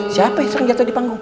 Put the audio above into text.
siapa yang sering jatuh di panggung